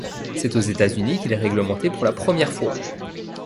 C'est aux États-Unis qu'il est réglementé pour la première fois.